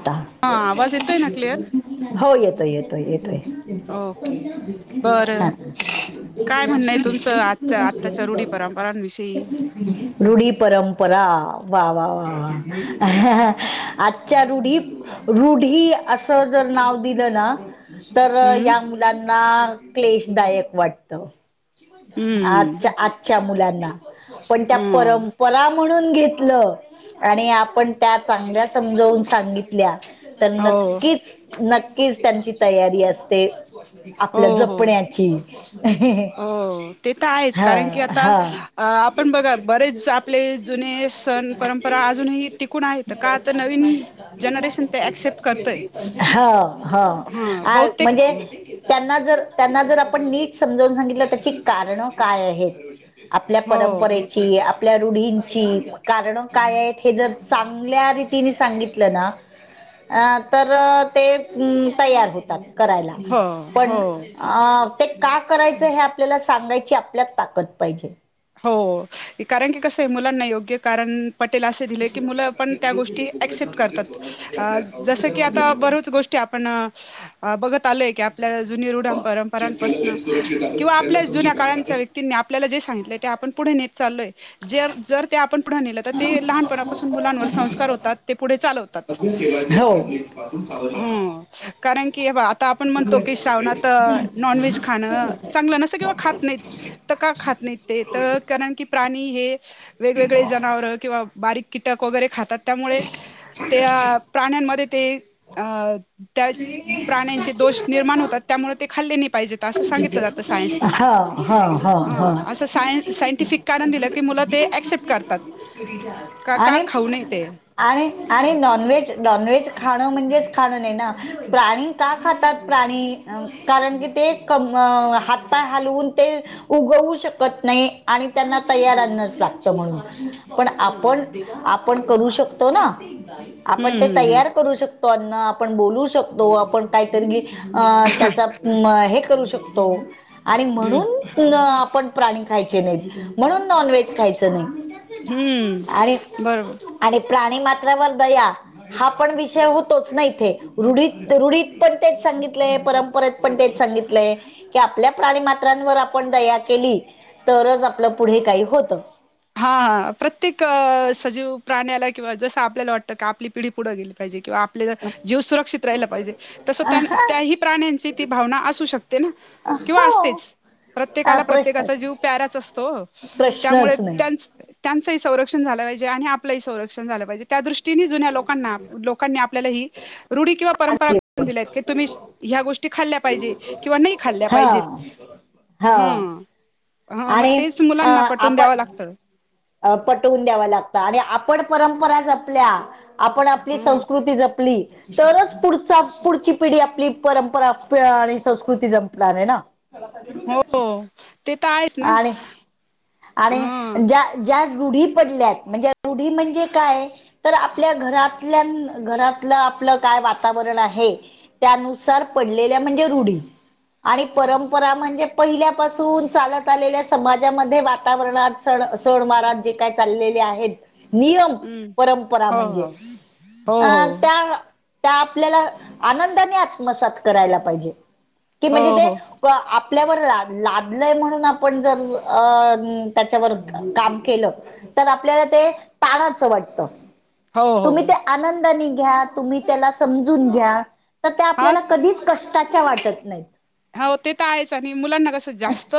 आता, हा आवाज येतोय ना क्लिअर हो येतोय येतोय येतोय ओके बरं हा काय पराण विषयी रुढी, परंपरा वा वा वा वा आजच्या रुढी, रुढी अस नाव जर दिल ना, तर हम्म या मु लांना क्लेशदायक वाटतं, हम्म आज आ जच्या मुलांना पण, त्या हो परंपरा म्हणून घेतलं आणि आपण त्या चांगल्या समजवून सांगितल्या, तर हो नक्कीच नक्कीच त्यांची तयारी असते. आपल्या हो हो जपण्याची. हो ते तर आहेच, हा कारण की, आता हा आपण बघा बरेच आपले जुने सण परंप परा अजूनही टिकून आहेत, तर का तर नवीन जनरेशन ते ऍक्सेप्ट करतय हो हो, हा बहुतेक म्हणजे त्यांना जर त्यांना जर, आपण नीट समजवून सांगितलं त्याची कारणं काय आहेत आपल्या हो परंपर ची, आपल्या रुढिंची कारण काय आहेत? हे जर चांगल्या रितीने सांगित आपल्याला अं तर, ते तयार होतात. करायला, हो पण हो अं, ते का करायचं? हे आपल्याला सांगायची आपल्यात ताकद पाहिजे. हो कारण की कसं य मुलांना योग्य कारण पटेल अस दिल की, मुलं पण त्या गोष्टी ॲक्सेप्ट करतात. अ जस की आता बरच गोष्टी आपण बघत आलोय, की आप ल्या जुन्या रूढ परंपरांपसनं किंवा आपल्याच जुन्या काळांच्या व्यक् तिनी आपल्याला जे सांगितलंय, ते आपण पुढे नेत चालोय, जे जर ते आपण पुढ नेलं तर, ते लहानपणापासून मुलांवर संस्कार होतात, ते पुढे चालवतात. लेडीज पासुन सावध राहा. हो कारण की य बा त आपण म्हणतो की श्रावणात, नॉनव्हेज खाणं चांगलं नसत किंवा खात नाहीत. त का खात नाही? ते तर कारण की प्राणी, हे वेगवेगळे जनावरं किंवा बारीक कीटक वगैरे खातात. त्यामुळे त्या प्राण्यांमध्ये, ते अ त्या प्राण्यांचे दोष निर्माण होतात, त्यामुळे ते खाल्ले नाही पाहिजेत, असं सांगितलं जातं सायन्सने. हां हां हा हां. असं सायन्- सायंटिफिक कारण दिलं की, मुलं ते ॲक्सेप्ट करतात. क का खाऊ नये ते. आणि-आणि नॉनव्हेज-नॉनव्हेज खाणं, म्हणजेच खाणं नही ना प्राणी का खातात हम्म प्राणी? कारण की ते कम अ हातपाय हलवून ते. उगवू शकत नाही आणि त्यांना तयार अन्नच लागतं म्हणून. पण आपण, हम्म आपण करू शकतो ना? आपण हम्म ते हम्म तयार करू शक तो अन्न, आपण बोलू शकतो, आपण काहीतरी [unintelligible] अ त्याचा म हे करू शकतो. आणि हम्म म्हणून न आपण प्राणी खायचे नही, म्हणून नॉनव्हेज खायचं नही. हम्म बरोबर. आणि प्राणी मात्रावर दया. हा पण विषय होतोच ना इथे, रुढीत-रुढीत पण तेच सांगितलेय परंपरेेत पण तेच सांगितलंय, की आपल्या प्राणीमात्रांवर आपण दया केली तरच आपलं पुढे काही होतं. हां प्रत्येक अ सजीव प्राण्याला किंवा जसं आपल्याला वाटतं क, आपली पिढी पुढं गेली पाहिजे किंवा आपला जीव सुरक्षित राहिला पाहिजे, तस त्यान-त्याही प्राण्यांची ती भावना असू शकते ना? किंवा हो असतेच, अ, प्रत्येकाला प्रत्येकाचा प्रश्नच जीव प्याराच असतो. प्रश्नच नाही. त्यांचही संरक्षण झाल पाहिजे आणि आपलंही संरक्षण झालं पाहिजे, त्या दृष्टी नी जुन्या लोकांना-लोकांनी आपल्याला ही रुढी किंवा परंपरा नाही [inaudible] दिल्यात की तुम्ही ह्या गोष् ते खाल्या पाहिजे किंवा नही खाल्ल्या हा पाहिजेत हा ह्म. हं मग आणि तेच अ, मुलांना पटवून द्यावं आपण लागतं. अ पटवून द्याव लागतं आणि आपण परंपरा जपल्या आपण आपली ह संस्कृती जपली तरच पुढचा-पुढची पिढी आपली परंपरा प आणि संस्कृती जपणार ये ना? च [inaudible] हो. ते तर आहेच ना आणि आणि हा ज्या ज्या रूढी पडल्यात म्हणजे रुढी म्हणजे काय? तर आपल्या घरातल्या घरातलं आपलं काय वातावरण आहे. त्यानुसार पडलेल्या म्हणजे रुढी. आणि परंपरा म्हणजे पहिल्यापासून चालत तलेल्या समाजामध्ये वातावरणात सण सण मारात जे काय चाललेले आहेत नियम हम्म परंपरा हो म्हणजे हो अं हो त्या त्या आपल्याला आनंदाने आत्मसात करायला पाहिजे की हो म्हणजे ते हो व आपल्यावर ला लादलय म्हणून आप आपण जर अ त्याच्यावर काम केलं. तर आपल्याला ते ताणाचं वाटतं. हो हो तुम्ही हो ते आनंदानी घ्या तुम्ही त्याला समजून घ्या. तर त्या हा आपल्याला कधीच कष्टाच्या वाटत नाहीत. हव ते त आहेच आणि मुलांना कसं जास्त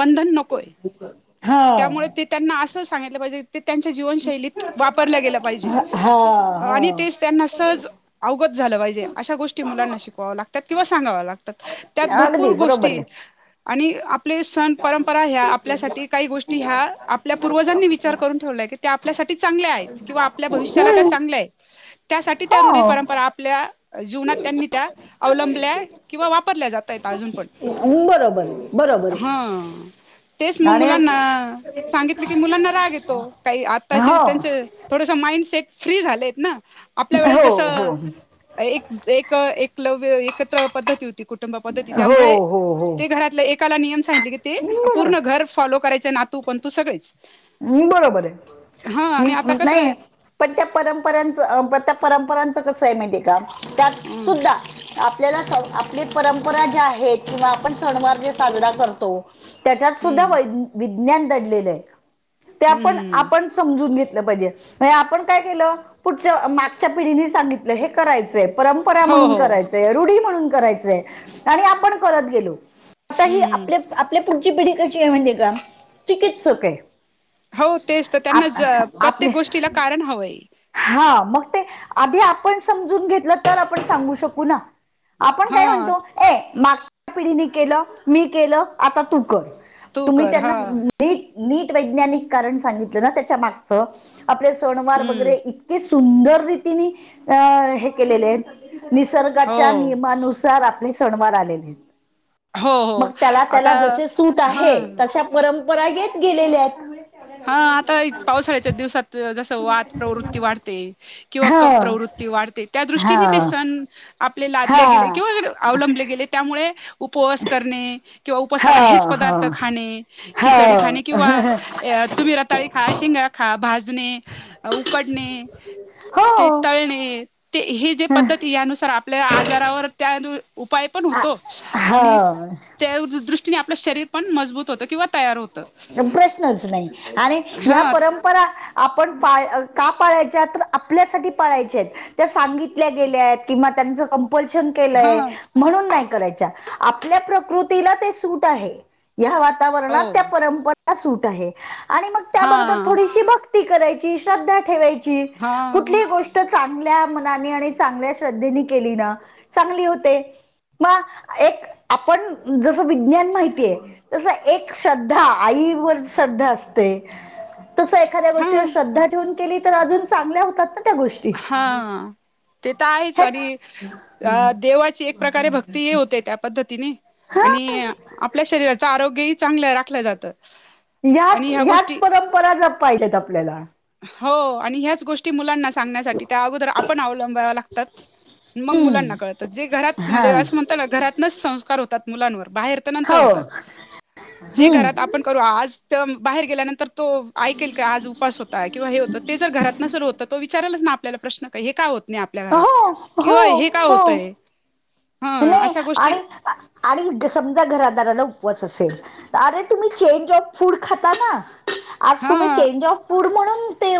बंधन नकोय. [unintelligible] त्यामुळे ते त्यांना असं सांगितलं पाहिजे ते त्यांच्या जीवनशैलीत वापरल्या गेल्या पाहिजे हा आणि तेच त्यांना सहज अवगत झालं पाहिजे अशा गोष्टी मुलांना शिकवाव्या लागतात किंवा सांगाव लागतात. त्यात हा भरपूर अगदी बरोबर गोष्टी आहे. आणि आपले सण परंपरा ह्या आपल्यासाठी काही गोष्टी ह्या आपल्या पूर्वजांनी विचार करून ठेवल्याय की त्या आपल्यासाठी चांगल्या आहेत किंवा आपल्या भविष्याला त्या हम्म चांगल्या आहेत. त्यासाठी त्या रूढी हो परंपरा आपल्या जीवनात त्यांनी त्या अवलंबल्या किंवा वापरल्या जात आहेत अजून पण. हुं बर हा तेच मं आणि मुलांन ना सांगितलं की मुलांना राग येतो काही आताचे हो त्यांचे थोडस माइंडसेट फ्री झालेत ना आपल्या वेळेस हो हो जसं एक एक एकलव्य एकत्र पद्धती होती ती कुटुंब पद्धती हो त्यामुळे हो हो ते घरातल्या एकाला नियम सांगितले की ते बरोबर पूर्ण घर फॉलो करायचे नातू पणतू सगळेच. हम् बरोबर हा आहे आणि आता कसं आहे नाही पण त्या परंपर्यांचं त्या परंपरांचं कसं आहे माहितीे का त्यात हम्म सुद्धा आपल्याला स आपली परंपरा ज्या आहेत किंवा आपण सणवार जे साजरा करतो त्याच्यात सुद्धा हम्म वै विज्ञान दडलेलं आहे ते आपण हम्म आपण समजून घेतलं पाहिजे नाही आपण काय केलं पुढच्या मागच्या पिढीनी सांगितलं हे कराय चय परंपरा हो म्हणून हो करायचय रुढी म्हणून करायचय आणि आपण करत गेलो. आता ही हम्म आपल्या आपल्या पुढची पिढी कशी आहे म्हणजे का चिकित्सक आहे. हव तेच तर त्यांना आप ज प्रत्येक आपले गोष्टीला कारण हवंय. हा मग ते आधी आपण समजून घेतलं तर आपण सांगू शकू ना. आपण काय हा म्हणतो ए मागच्या पिढीने केलं मी केलं आता तू कर. तू तुम्ही कर त्यांना हा नीट नीट वैज्ञानिक कारण सांगितलं ना त्याच्या मागचं आपले सणवार हम्म वगैरे इतके सुंदर रीतीने अ हे केलेले आहेत. निसर्गाच्या हो नियमानुसार आपले सणवार आलेले आहेत. हो मग हो त्याला आता त्याला जसे सूट आहे हां. तशा परंपरा येत गेलेले आहेत. हा आता पावसाळ्याच्या दिवसात जसं वात प्रवृत्ती वाढते किंवा कफ हा प्रवृत्ती वाढते त्या दृष्टीने ते हा सण आपले लादले गेले हा किंवा अवलंबले गेले त्यामुळे उपवास करणे. किंवा उपासाला हा हेच पदार्थ हा खाणे, खिचडी हो खाणे किंवा ऐ तुम्ही रताळी खा, शेंगा खा भाजणे, उकडणे. हो ते तळणे, ते हे जे पद्धती यानुसार आपल्या आजारावर त्या उपाय पण आ- होतो, आणि, हो त्या दु - दृष ष्टीने आपलं शरीर पण मजबूत होतं किंवा तयार होतं. प्रश्नच नाही, आणि या हा परम परा आपण पा का पाळायच्या तर आपल्यासाठी पाळायच्या आहेत. त्या सांगितल्या गेल्यात किंवा त्याच पलशन हा केलंय म्हणून नाही करायच्या आपल्या प्रकृतीला ते सूट आहे. ह्या हो वातावरणात त्या परंपरा सूट आहे, आणि मग हा त्याबरोबर थोडीशी भक ती करायची श्रद्धा ठेवायची, हा कुठली गोष् ट चांगल्या मनाने आणि चांगल्या श्रद्धेनी केली ना चांगली होते. मा, एक, आपण जस विज्ञान माहितीय, तस एक श्रद्धा आईवर श्रद्धा असते, तस एखाद्या हा गोष्टीवर श्रद्धा ठेवून केली तर अजून चांगल्या होतात ना त्या गोष् हा, ते तर आहेच आणि अ देवाची एक प्रकारे भक्ती हि होते त्यात. पद्धतीने, आणि आपल्या शरीराच आरोग्यही चांगलं राखलं जात. ह्याच ह्याच परंपरा जपायच्यात आपल्याला. हो आणि ह्याच गोष्टी मुलांना सांगण्यासाठी त्या अगोदर आपण अवलंब्यावा लागतात. मग मुलांना हम्म कळत जे घरात हा म्हणजे असं म्हणतो ना घरातनच संस्कार होतात मुलांवर बाहेर तर नंतर हो होतात, जे घरात हम्म आपण करू आज त बाहेर गेल्यानंतर तो ऐकेल का आज उपास हो किंवा हे होतं ते जर घरातन सुरू होत तो विचारालाच ना आपल्याला प्रश्न हे का हो नी आपल्या घरात, हो किंवा हो हे का हो होतय? ह नाही अशा आणि गोष्टी आ आणि समजा घरादाराला उपवास असेल, अरे तुम्ही चेंज ऑफ फूड खाता ना आज हा तुम्ही चेंज ऑफ फूड म्हणून ते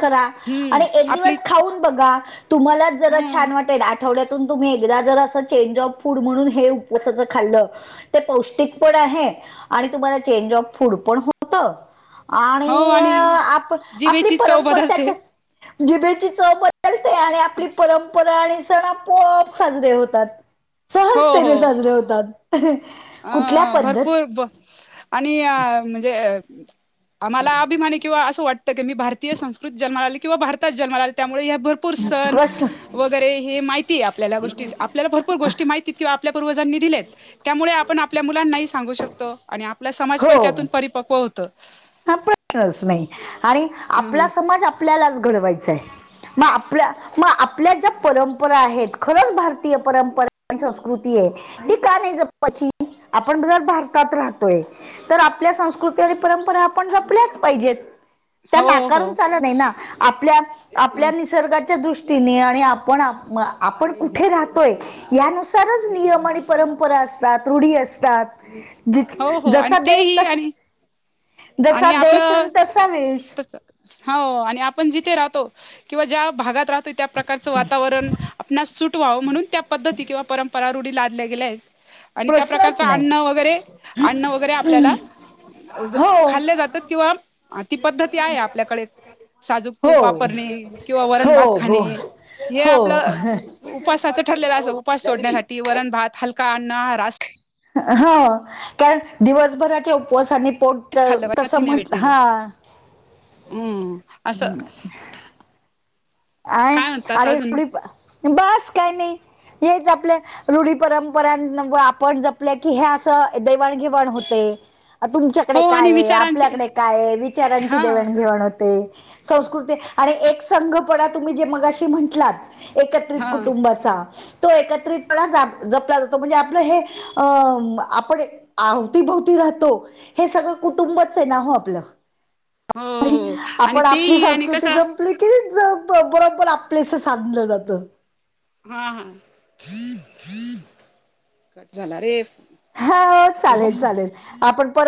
करा, आणि हम्म एक आपली दिवस खाऊन बघा, तुम्हाला ह जरा छान वाटेल. आठवड्यातून तुम्ही एकदा जर असं चेंज ऑफ फूड म्हणून हे उपसाचं खाल्लं ते पौष्टिक पण आहे आणि तुम्हाला चेंज ऑफ फूड पण होतं. आणि आप, आपली जिभेची चव परंपरा बदलते त्याच्यात जिभेची चव बदलते आणि आपली परंपरा आणि सण आपोआप साजरे होतात. हो हो सहजतेने साजरे होतात, अ कुठल्या पद्ध भरपूर ब, आणि म्हणजे, आम्हाला अभिमान किंवा असं वाटतं की मी भारतीय संस्कृत जन्माला आली किंवा भारतात जन्माला आली त्यामुळे या भर पूर सन, प्रश्न वगैरे हे माहिती आपल्या गोष्टी आपल्याला भरपूर गोष्टी माहिती किंवा आपल्या पूर्वजांनी दिलेत, त्यामुळे आपण आपल्या मुलांना ही सांगू शकतो. आणि आपला समाज पण हो त्यातून परिपक्व होतं. हा प्रश्नच नाही आणि आपला समाज आपल्यालाच घडवायचाय. म आपल्या म आपल्या ज्या परंपरा आहेत खरंच भारतीय परंपरा आणि संस्कृतीये ती का नाही जपावायची आपण जर भारतात राहतोय. तर आपल्या संस्कृती आणि परंपरा पन जपल्याच पाहिजेत, त्या हो नाकारून हो चाल नाहि ना, आपल्या आपल्या निसर्गाच्या दृष्टीने आणि आपण आपण कुठे राहतोय? यानुसारच नियम आणि परंपरा असतात रुढी असतात. जथ हो हो आणि जसा देश तेही तसा आणि जसा आणि आपलं देशन तसा वेश. हो आणि आपण जिथे राहतो किंवा ज्या भागात राहतो त्या प्रकारचं वातावरण आपणस सुट व्हावं म्हणून त्या पद्धती किंवा परंपरा रूढी लादल्या गेल्या आहेत. आणि त्या प्रश्नच प्रकारचं नाही अन्न वगैरे अन्न वगैरे आपल्याला हो खाल्ल्या जातात किंवा ती पद्धती आहे आपल्याकडे साजूक तूप हो वापरणे किंवा वरण हो भात हो खाणे. हे हो आपलं उपासाचं ठरलेलं अस उपास सोडण्यासाठी वरण भात हलका अन्न रास ह कारण दिवसभराच्या उपवासानी पोट- असच तर खाल्लं पाहिजे तस प्रथिने म्हट भेटतील. हा् हम्म असं आहे काय म्हणतात आणिर अजून एवढी बास काय नाही हेच आपल्या रुढी, परंपरां आपण जपले की हे असं देवाणघेवाण होते. तुमच्याकडे हो आणि काय, विचारांचे आपल्याकडे काय आहे विचारांची हा देवाणघेवाण होते. संस्कृती आणि एक संघपणा तुम्ही जे मगाशी म्हंटलात- एकत्रित हा कुटुंबाचा- तो एकत्रितपणा जपला जातो म्हणजे आपलं हे अ आपण आवतीभवती राहतो हे सगळं कुटुंबच आहे ना हो आपलं. हो हो आणि आपण आपली तेही आणि संस्कृती कसा ज आपक बरोबर आपल्याच सांधलं जातं. हा हा कट झाला रे हा चालेल चालेल आपण पर